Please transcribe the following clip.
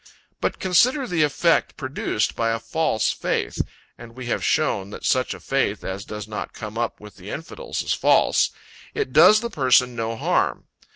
But consider the effect produced by a false faith, (and we have shown, that such a faith, as does not come up with the infidel's, is false,) it does the person no harm.